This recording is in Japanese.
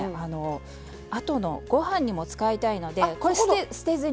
あとのご飯にも使いたいのでこれ捨てずに。